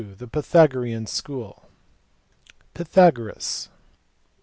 The Pythagorean School. Pythagoras*.